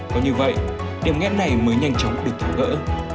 có như vậy điểm ngẽn này mới nhanh chóng được tháo gỡ